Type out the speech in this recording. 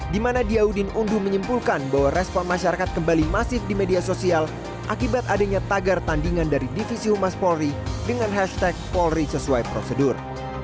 di mana diaudin undu menyimpulkan bahwa respon masyarakat kembali masif di media sosial akibat adanya tagar tandingan dari divisi humas polri dengan hashtag polri sesuai prosedur